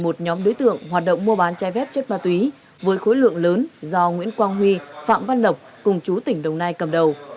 một nhóm đối tượng hoạt động mua bán trái phép chất ma túy với khối lượng lớn do nguyễn quang huy phạm văn lộc cùng chú tỉnh đồng nai cầm đầu